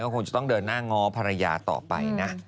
คงจะต้องเดินหน้าง้อภรรยาต่อไปนะ